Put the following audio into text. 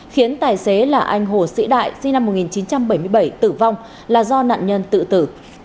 khiến tài xế là anh hồ sĩ đại sinh năm một nghìn chín trăm bảy mươi bảy tử vong là do nạn nhân tự tử